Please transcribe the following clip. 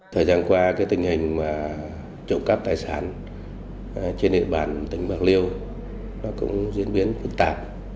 thời gian qua cái tình hình trộm cắp tài sản trên địa bàn tỉnh bạc liêu cũng diễn biến phức tạp